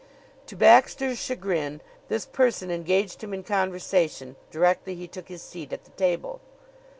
To Baxter's chagrin, this person engaged him in conversation directly he took his seat at the table.